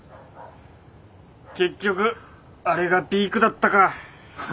結局あれがピークだったか。